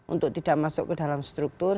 untuk tidak masuk ke dalam struktur